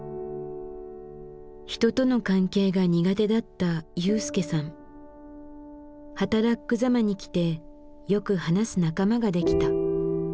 人との関係が苦手だった雄介さん。はたらっく・ざまに来てよく話す仲間ができた。